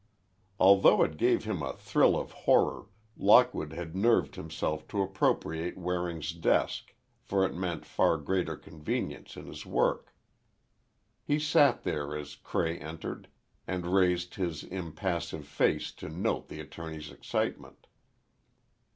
Although it gave him a thrill of horror, Lockwood had nerved himself to appropriate Waring's desk, for it meant far greater convenience in his work. He sat there as Cray entered, and raised his impassive face to note the attorney's excitement.